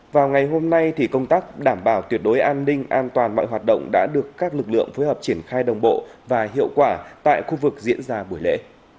vào ngày hôm nay thì công tác đảm bảo tuyệt đối an ninh an toàn mọi hoạt động đã được các lực lượng phối hợp triển khai đồng bộ và hiệu quả tại khu vực diễn ra buổi lễ